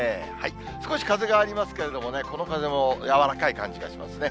少し風がありますけれどもね、この風も柔らかい感じがしますね。